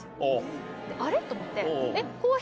あれ？と思って。